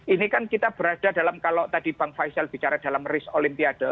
ini kan kita berada dalam kalau tadi bang faisal bicara dalam risk olimpiade